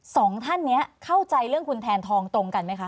สองท่านนี้เข้าใจเรื่องคุณแทนทองตรงกันไหมคะ